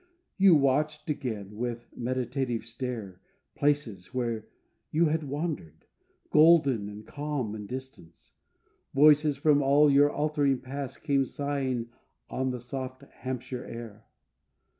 You watched again with meditative stare Places where you had wandered, Golden and calm in distance: Voices from all your altering past came sighing On the soft Hampshire air.